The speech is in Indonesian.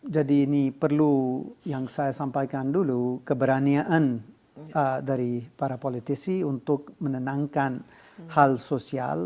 jadi ini perlu yang saya sampaikan dulu keberanian dari para politisi untuk menenangkan hal sosial